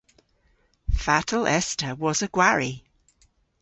Fatel es ta wosa gwari?